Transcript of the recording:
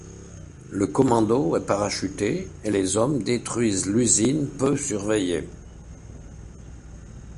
Le commando est parachuté et les hommes détruisent l'usine peu surveillée.